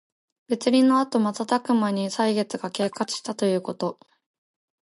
別離のあとまたたくまに歳月が経過したということ。